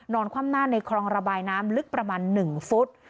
คว่ำหน้าในคลองระบายน้ำลึกประมาณ๑ฟุต